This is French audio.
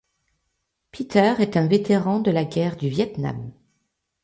Peter est un vétéran de la guerre du Viêt Nam.